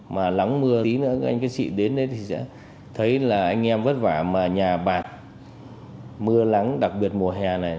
mà lắng mưa tí nữa các anh chị đến đấy thì sẽ thấy là anh em vất vả mà nhà bạc mưa lắng đặc biệt mùa hè này